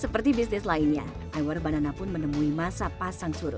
seperti bisnis lainnya iwer banana pun menemui masa pasang surut